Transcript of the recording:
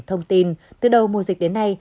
thông tin từ đầu mùa dịch đến nay